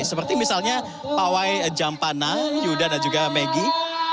seperti misalnya pawai jampana yuda dan juga maggie